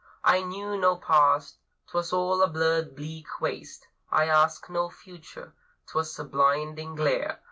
I knew no past; 'twas all a blurred, bleak waste; I asked no future; 'twas a blinding glare.